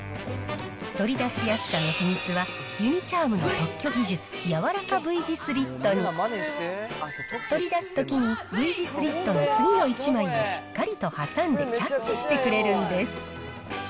取り出しやすさの秘密は、ユニ・チャームの特許技術、やわらかＶ字スリットに、取り出すときにＶ字スリットが次の１枚をしっかりと挟んでキャッチしてくれるんです。